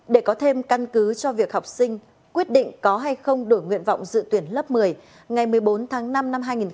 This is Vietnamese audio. để có thêm căn cứ cho việc học sinh quyết định có hay không đổi nguyện vọng dự tuyển lớp một mươi ngày một mươi bốn tháng năm năm hai nghìn hai mươi